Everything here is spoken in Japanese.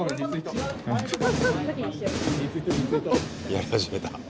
やり始めた。